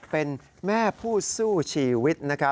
เป็นแม่ผู้สู้ชีวิต